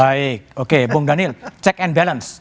baik oke bung daniel check and balance